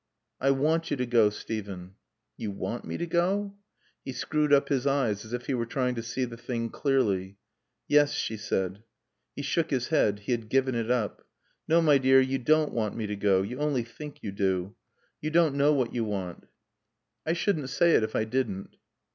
"I want you to go, Steven." "You want me to go?" He screwed up his eyes as if he were trying to see the thing clearly. "Yes," she said. He shook his head. He had given it up. "No, my dear, you don't want me to go. You only think you do. You don't know what you want." "I shouldn't say it if I didn't."